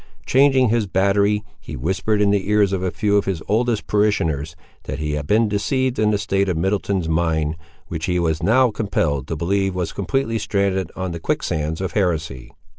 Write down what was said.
Changing his battery, he whispered in the ears of a few of his oldest parishioners, that he had been deceived in the state of Middleton's mind, which he was now compelled to believe was completely stranded on the quicksands of heresy.